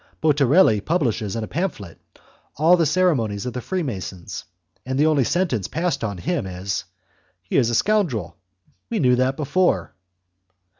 Botarelli publishes in a pamphlet all the ceremonies of the Freemasons, and the only sentence passed on him is: "He is a scoundrel. We knew that before!"